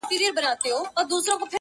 دا جاهل او دا کم ذاته دا کم اصله،